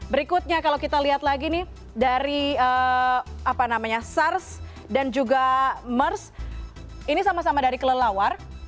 berikutnya kalau kita lihat lagi nih dari sars dan juga mers ini sama sama dari kelelawar